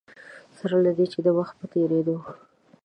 سره له دې چې د وخت په تېرېدو.